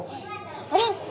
あれ？